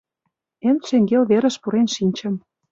Эн шеҥгел верыш пурен шинчым.